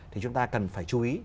thì chúng ta cần phải chú ý